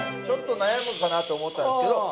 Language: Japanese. ちょっと悩むかなと思ったんですけど